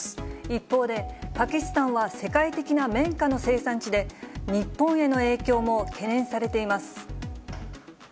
一方で、パキスタンは世界的な綿花の生産地で、日本への影響も懸念されています。